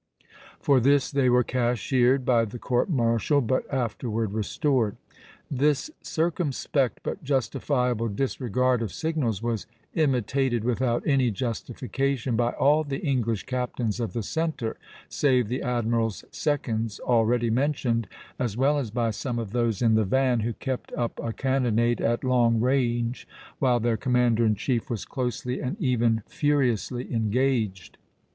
For this they were cashiered by the court martial, but afterward restored. This circumspect but justifiable disregard of signals was imitated without any justification by all the English captains of the centre, save the admiral's seconds already mentioned, as well as by some of those in the van, who kept up a cannonade at long range while their commander in chief was closely and even furiously engaged.